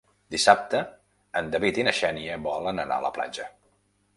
Dissabte en David i na Xènia volen anar a la platja.